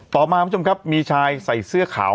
ต่อมาคุณผู้ชมครับมีชายใส่เสื้อขาว